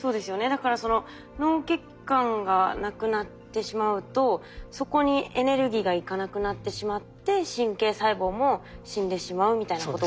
だから脳血管が無くなってしまうとそこにエネルギーが行かなくなってしまって神経細胞も死んでしまうみたいなことが。